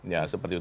ya seperti itu